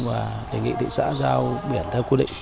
và đề nghị thị xã giao biển theo quy định